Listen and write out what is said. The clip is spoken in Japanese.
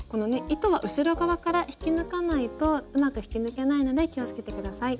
糸は後ろ側から引き抜かないとうまく引き抜けないので気をつけて下さい。